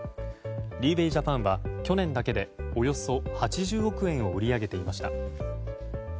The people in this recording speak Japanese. リーウェイジャパンは去年だけでおよそ８０億円を売り上げていました。